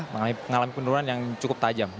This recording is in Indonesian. mengalami penurunan yang cukup tajam